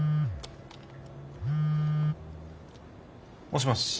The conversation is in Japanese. もしもし。